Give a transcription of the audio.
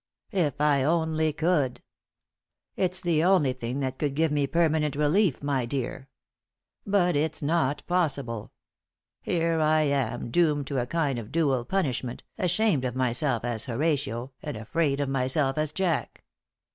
If I only could! It's the only thing that could give me permanent relief, my dear. But it's not possible. Here I am doomed to a kind of dual punishment, ashamed of myself as Horatio and afraid of myself as Jack.